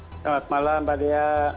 selamat malam pak dya